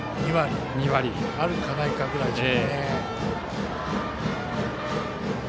２割あるかないかぐらいです。